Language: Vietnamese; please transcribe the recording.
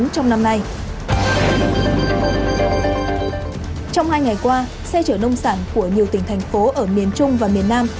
trong hai ngày qua xe chở nông sản của nhiều tỉnh thành phố ở miền trung và miền nam